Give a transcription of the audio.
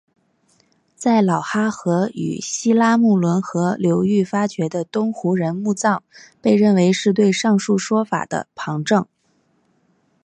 在老哈河与西拉木伦河流域发掘的东胡人墓葬被认为是对上述说法的旁证。